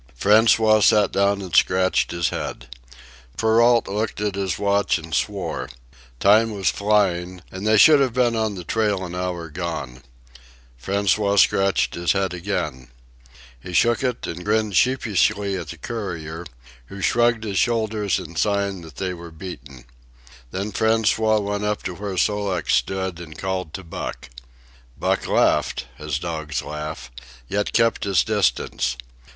François sat down and scratched his head. Perrault looked at his watch and swore. Time was flying, and they should have been on the trail an hour gone. François scratched his head again. He shook it and grinned sheepishly at the courier, who shrugged his shoulders in sign that they were beaten. Then François went up to where Sol leks stood and called to Buck. Buck laughed, as dogs laugh, yet kept his distance.